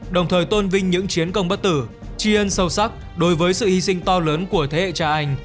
đồng thời tôn vinh những chiến công bất tử chi ân sâu sắc đối với sự hy sinh to lớn của thế hệ cha anh